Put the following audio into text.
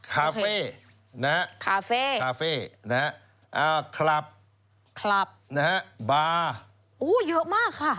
คาเฟ่นะฮะคาเฟ่คาเฟ่นะฮะคลับคลับนะฮะบาร์เยอะมากค่ะ